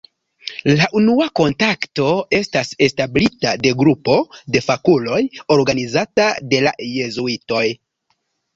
La unua kontakto estas establita de grupo da fakuloj organizata de la Jezuitoj.